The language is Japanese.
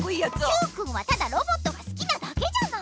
Ｑくんはただロボットが好きなだけじゃない！